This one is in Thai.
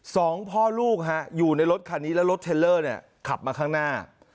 สองพ่อลูกฮะอยู่ในรถคันนี้แล้วรถเทลเลอร์เนี่ยขับมาข้างหน้า